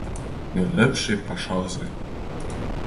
Нылымше пашазе.